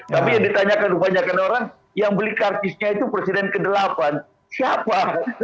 tapi yang ditanyakan kebanyakan orang yang beli kartisnya itu presiden ke delapan siapa